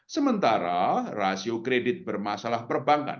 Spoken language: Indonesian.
sementara rasio kredit bermasalah perbankan